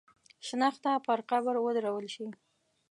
شنخته پر قبر ودرول شي.